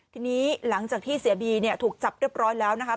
ทีนี้หลังจากที่เสียบีเนี่ยถูกจับเรียบร้อยแล้วนะคะ